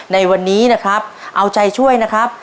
ในวันนี้นะครับเอาใจช่วยนะครับ